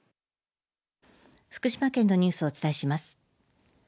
福島県のニュースをお伝えします。